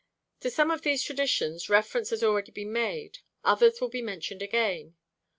To some of these traditions reference has already been made; others will be mentioned again.